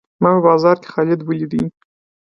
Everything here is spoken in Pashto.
ما په بازار کښي خالد وليدئ.